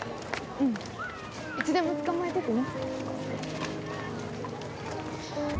うん、いつでも捕まえててね。